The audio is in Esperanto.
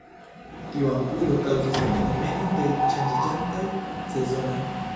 Tiu angulo kaŭzas la fenomenon de ŝanĝiĝantaj sezonoj.